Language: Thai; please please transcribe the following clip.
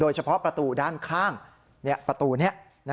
เฉพาะประตูด้านข้างประตูนี้